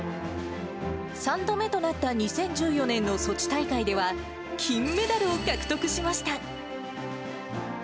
３度目となった２０１４年のソチ大会では、金メダルを獲得しました。